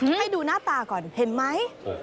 ให้ดูหน้าตาก่อนเห็นไหม